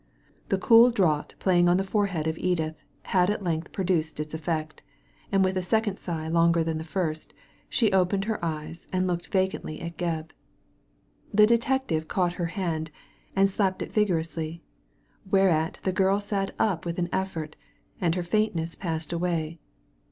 The cool draught playing on the forehead of Edith had at length produced its effect, and with a second sigh longer than the first, she opened her eyes, and looked vacantly at Gebb. The detective caught her hand, and slapped it vigorously, whereat the girl sat up with an effort, and her faintness passed away.